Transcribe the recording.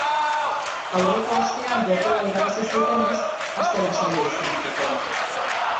Aurreko astean jokoa irabazi zutenez, aste lasaia izan zuten.